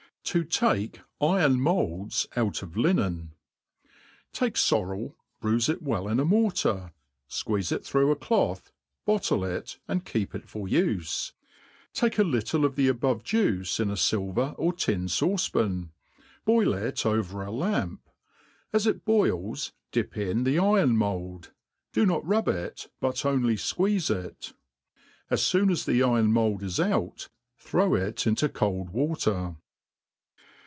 To take Iron molds out of Linen, TAKE forrel, bruife it well in a mortar, fqueeze it through a cloth, bottle it, and keep it forufe. Takealittleof the above juice, in a filver or tin fauce pan, boil it over a lamp, as it boils dip in the iron mojd, do not rub it, but only fqueeze it. As foon as the iron mold is out, throw it into cold \iater.